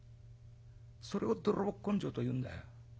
それを泥棒根性と言うんだよ。